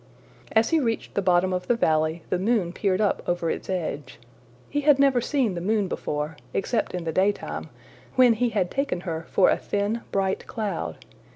As he reached the bottom of the valley, the moon peered up over its edge. He had never seen the moon before except in the daytime, when he had taken her for a thin bright cloud.